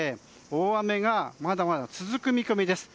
大雨がまだまだ続く見込みです。